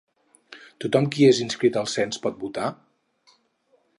Tothom qui és inscrit al cens pot votar?